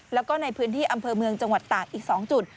แล้วก็ในพื้นที่อำเภอเมืองจังหวัดตากอีก๒จุด